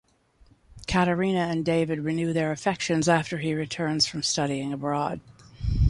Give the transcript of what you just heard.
Katerina and David renew their affections after he returns from studying abroad.